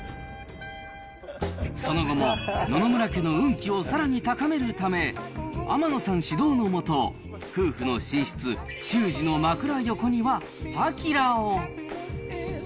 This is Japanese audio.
その後も、野々村家の運気をさらに高めるため、天野さん指導の下、夫婦の寝室、修士の枕横にはパキラを。